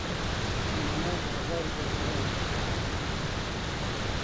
لەناو بازاڕ دەگەڕاین.